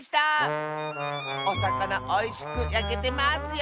おさかなおいしくやけてますよ。